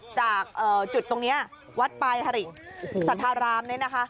จากจุดตรงนี้วัดปลายฮริสัทธารามเนี่ยนะคะ